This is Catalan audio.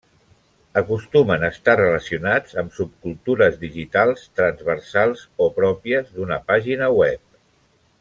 Acostumen a estar relacionats amb subcultures digitals, transversals o pròpies d'una pàgina web.